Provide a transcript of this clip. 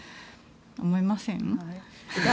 思いません？